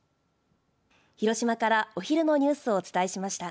広島から、お昼のニュースをお伝えしました。